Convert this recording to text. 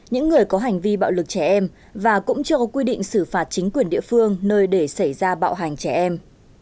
những người có hành vi bạo lực trẻ em và cũng chưa có quy định xử phạt chính quyền địa phương nơi để xảy ra bạo hành trẻ em